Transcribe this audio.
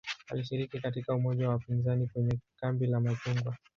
Alishiriki katika umoja wa upinzani kwenye "kambi la machungwa".